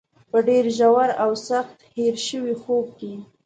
په ډېر ژور او سخت هېر شوي خوب کې.